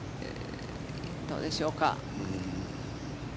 どうでしょうか。